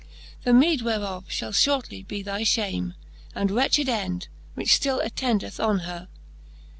The meede whereof fhall fhortly be thy fhame. And wretched end, which ftill attendeth on her.